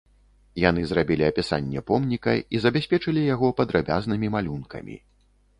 Яны зрабілі апісанне помніка і забяспечылі яго падрабязнымі малюнкамі.